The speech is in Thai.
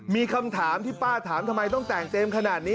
มีคำถามที่ป้าถามทำไมต้องแต่งเต็มขนาดนี้